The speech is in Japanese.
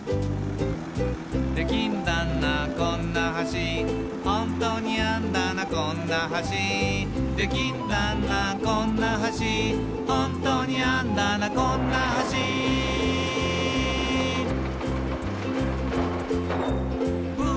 「できんだなこんな橋」「ホントにあんだなこんな橋」「できんだなこんな橋」「ホントにあんだなこんな橋」「ウー」